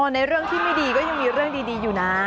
ในเรื่องที่ไม่ดีก็ยังมีเรื่องดีอยู่นะ